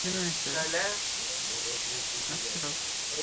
তবে মেঘনা নদী দেখার ইচ্ছা কিন্তু গুলজারের মনে দানা বেঁধে আছে এখনো।